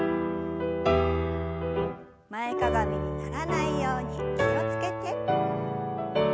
前かがみにならないように気を付けて。